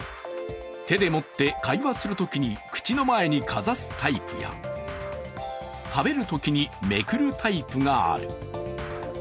手で持って、会話するときに口の前にかざすタイプや食べるときにめくるタイプがある。